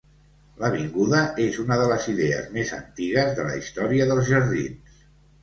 L'avinguda és una de les idees més antigues de la història dels jardins.